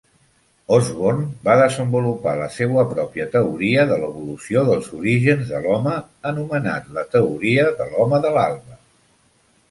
Osborn va desenvolupar la seua pròpia teoria de l'evolució dels orígens de l'home anomenat la "Teoria de l"home de l'alba".